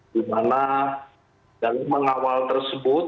di mana dalam mengawal tersebut